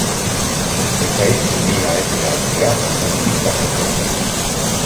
Ez zait liga ez irabaztea burutik pasatzen.